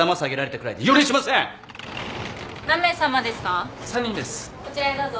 こちらへどうぞ。